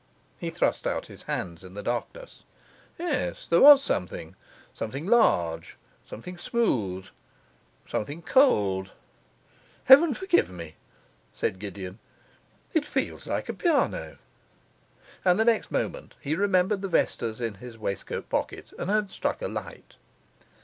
He thrust out his hands in the darkness. Yes, there was something, something large, something smooth, something cold. 'Heaven forgive me!' said Gideon, 'it feels like a piano.' And the next moment he remembered the vestas in his waistcoat pocket and had struck a light.